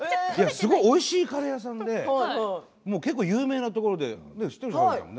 すごくおいしいカレー屋さんで結構有名なところで知っているんだよね。